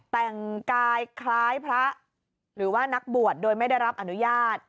แต่งกายคล้ายพระหรือว่านักบวชโดยไม่ได้รับอนุญาต